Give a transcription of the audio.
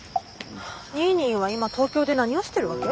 ニーニーは今東京で何をしてるわけ？